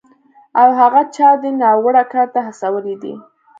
او هغه چا دې ناوړه کار ته هڅولی دی